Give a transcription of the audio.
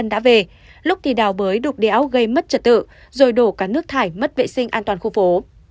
đã về lúc thì đào bới đục đẽo gây mất trật tự rồi đổ cả nước thải mất vệ sinh an toàn khu phố